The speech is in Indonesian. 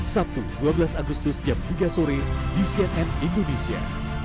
sabtu dua belas agustus jam tiga sore di cnn indonesia